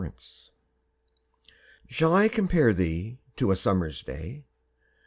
XVIII Shall I compare thee to a summer's day?